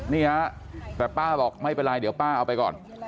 นี่ฮะแต่ป้าบอกไม่เป็นไรเดี๋ยวป้าเอาไปก่อน